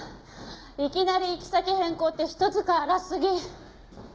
いきなり行き先変更って人使い荒すぎ！